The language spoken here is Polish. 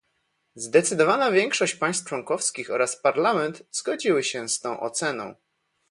Zdecydowana większość państw członkowskich oraz Parlament zgodziły się z tą oceną